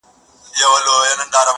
o ځكه ځوانان ورانوي ځكه يې زړگي ورانوي؛